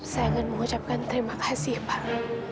saya ingin mengucapkan terima kasih pak